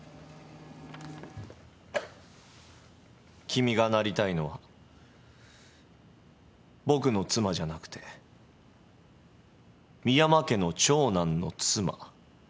君がなりたいのは僕の妻じゃなくて深山家の長男の妻。